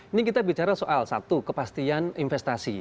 ini kita bicara soal satu kepastian investasi